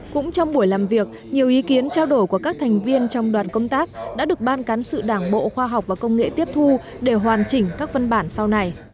cũng trong buổi làm việc nhiều ý kiến trao đổi của các thành viên trong đoàn công tác đã được ban cán sự đảng bộ khoa học và công nghệ tiếp thu để hoàn chỉnh các văn bản sau này